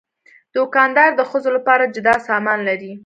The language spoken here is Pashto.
دوکاندار د ښځو لپاره جدا سامان لري.